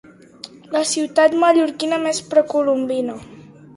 La ciutat mallorquina més precolombina.